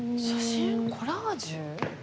コラージュ？